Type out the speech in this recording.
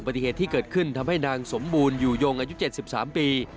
ปฏิเหตุที่เกิดขึ้นทำให้นางสมบูรณ์อยู่ยงอายุ๗๓ปี